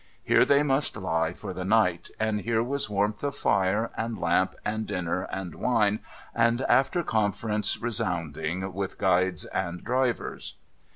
Here they must lie for the night ; and here was warmth of fire, and lamp, and dinner, and wine, and after conference resounding, with guides and drivers.